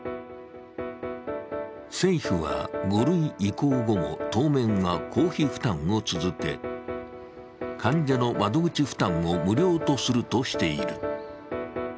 政府は５類移行後も当面は公費負担を続け患者の窓口負担を無料とするとしている。